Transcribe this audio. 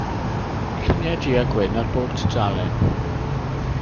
Lluniau du-a-gwyn ar bob tudalen.